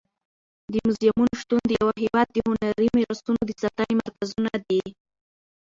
د موزیمونو شتون د یو هېواد د هنري میراثونو د ساتنې مرکزونه دي.